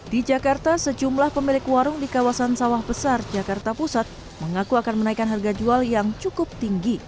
di jakarta sejumlah pemilik warung di kawasan sawah besar jakarta pusat mengaku akan menaikkan harga jual yang cukup tinggi